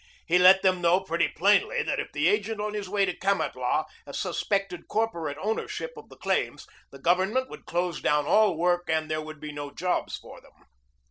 He let them know pretty plainly that if the agent on his way to Kamatlah suspected corporate ownership of the claims, the Government would close down all work and there would be no jobs for them.